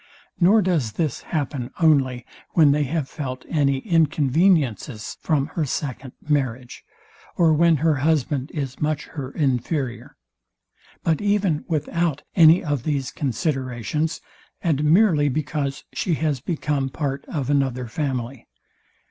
Nor does this happen only, when they have felt any inconveniences from her second marriage, or when her husband is much her inferior; but even without any of these considerations, and merely because she has become part of another family.